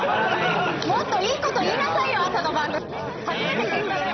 もっといいこと言いなさいよ、朝の番組で。